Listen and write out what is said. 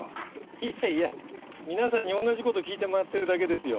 いやいや皆さんに同じこと聞いて回ってるだけですよ